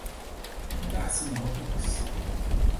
Darcinópolis